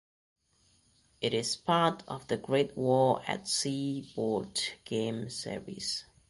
It is part of the Great War at Sea board game series.